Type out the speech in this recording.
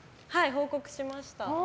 報告しました。